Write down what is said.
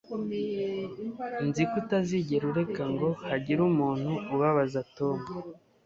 Nzi ko utazigera ureka ngo hagire umuntu ubabaza Tom.